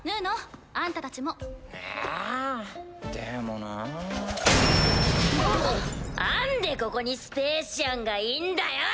なんでここにスペーシアンがいんだよ！